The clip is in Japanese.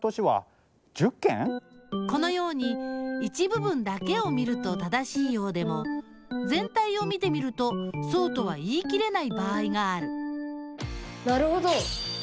このように一部分だけを見ると正しいようでもぜん体を見てみるとそうとは言い切れない場合があるなるほど！